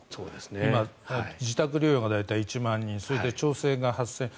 今、自宅療養が大体１万人それで調整が８０００人。